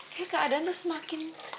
kayak keadaan tuh semakin